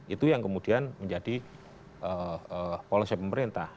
itu yang kemudian menjadi polisi pemerintah